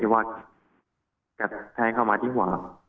คิดว่ากับแทนเข้ามาที่หัว